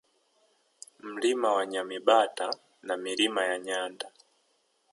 Mlima wa Nyamibata na Milima ya Nyanda